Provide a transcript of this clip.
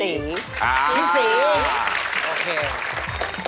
สีอ่าพี่สีโอเค